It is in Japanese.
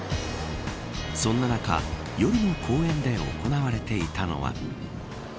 そんな中夜の公園で行われていたのは。